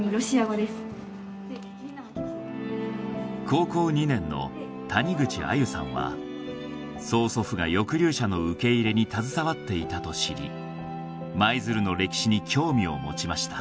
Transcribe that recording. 高校２年の谷口逢友さんは曽祖父が抑留者の受け入れに携わっていたと知り舞鶴の歴史に興味をもちました